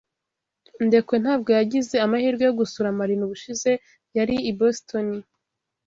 Ndekwe ntabwo yagize amahirwe yo gusura Marina ubushize yari i Boston.